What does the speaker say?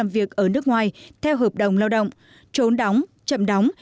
việc ở nước ngoài theo hợp đồng lao động trốn đóng chậm đóng